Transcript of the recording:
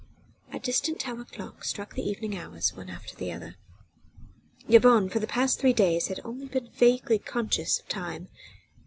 II A distant tower clock struck the evening hours one after the other. Yvonne for the past three days had only been vaguely conscious of time.